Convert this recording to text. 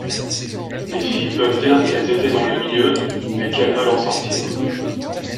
Les filles peuvent dire qu'elles étaient dans le milieu, mais qu'elles veulent en sortir.